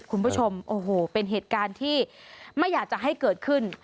คุณผู้ชมโอ้โหเป็นเหตุการณ์ที่ไม่อยากจะให้เกิดขึ้น